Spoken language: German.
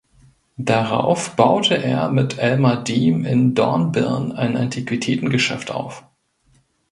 Darauf baute er mit Elmar Diem in Dornbirn ein Antiquitätengeschäft auf.